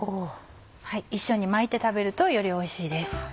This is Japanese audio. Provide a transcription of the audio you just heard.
一緒に巻いて食べるとよりおいしいです。